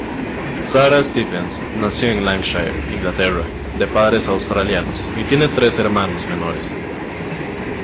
Sara Stephens nació en Lancashire, Inglaterra, de padres australianos y tiene tres hermanos menores.